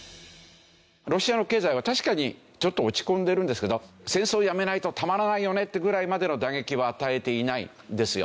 ロシアの経済は確かにちょっと落ち込んでるんですけど戦争をやめないとたまらないよねってぐらいまでの打撃は与えていないんですよ。